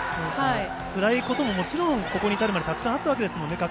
つらいことももちろん、ここに至るまでたくさんあったわけですよね、各選手。